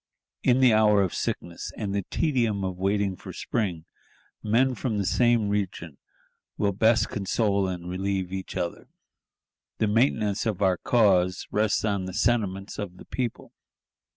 In the hour of sickness, and the tedium of waiting for spring, men from the same region will best console and relieve each other. The maintenance of our cause rests on the sentiments of the people.